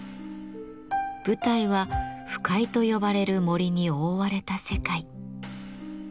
舞台は腐海と呼ばれる森に覆われた世界。